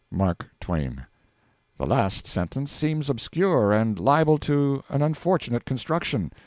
MARK TWAIN.' The last sentence seems obscure, and liable to an unfortunate construction.